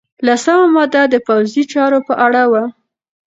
لسمه ماده د پوځي چارو په اړه وه.